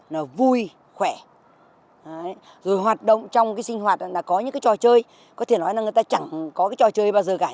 nó vui khỏe rồi hoạt động trong sinh hoạt là có những trò chơi có thể nói là người ta chẳng có trò chơi bao giờ cả